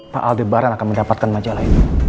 pak aldebaran akan mendapatkan majalah itu